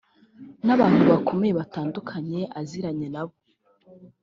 n’abantu bakomeye batandukanye aziranye na bo